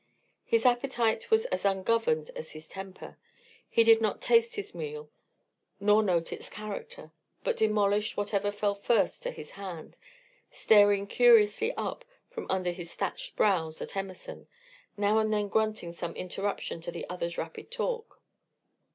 His appetite was as ungoverned as his temper; he did not taste his meal nor note its character, but demolished whatever fell first to his hand, staring curiously up from under his thatched brows at Emerson, now and then grunting some interruption to the other's rapid talk.